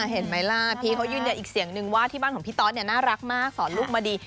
เห็นไหมล่ะพีชเขายืนยันอีกเสียงนึงว่าที่บ้านของพี่ตอสน่ารักมากสอนลูกมาดี